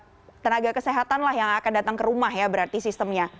jadi dari pihak tenaga kesehatan yang akan datang ke rumah ya berarti sistemnya